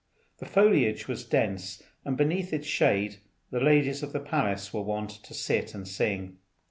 The foliage was dense, and beneath its shade the ladies of the palace were wont to sit and sing.